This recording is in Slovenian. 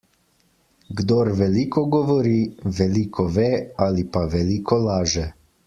Kdor veliko govori, veliko ve ali pa veliko laže.